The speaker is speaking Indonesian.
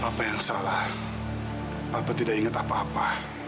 papa yang salah papa tidak ingat apa apa